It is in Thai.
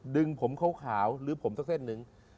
ดึงผมขาวหรือผมสักเส้นหนึ่ง